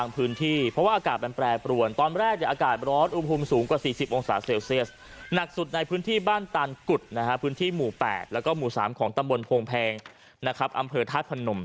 พื้นที่หมู่๘แล้วก็หมู่๓ของตำบลโพงแพงนะครับอำเภอทัศน์พนม